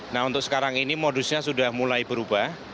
nah untuk sekarang ini modusnya sudah mulai berubah